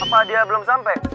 apa dia belum sampe